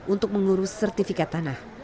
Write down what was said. untuk mengurus sertifikat tanah